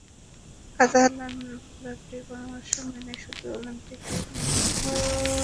Catalan ক্লাবটির পরামর্শ মেনে শুধু অলিম্পিকেই নেইমারকে খেলানোর ব্যাপারে রাজি হয়েছে ব্রাজিল।